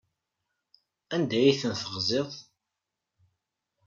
Anda ay ten-teɣziḍ?